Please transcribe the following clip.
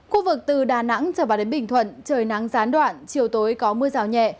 khu vực từ đà nẵng trở vào đến bình thuận trời nắng gián đoạn chiều tối có mưa rào nhẹ